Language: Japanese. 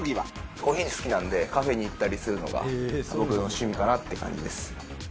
コーヒー好きなんで、カフェに行ったりするのが、僕の趣味かなって感じです。